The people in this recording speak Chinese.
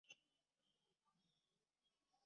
此站有池袋线与狭山线停靠。